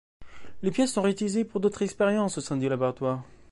Les pièces sont réutilisées pour d'autres expériences au sein du laboratoire.